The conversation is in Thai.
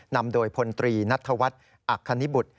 นำโดยพลตรีนัทธวัฒน์อักคณิบุตร